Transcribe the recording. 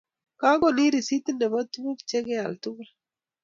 Kigonin risitit nebo tuguk chegeal tugul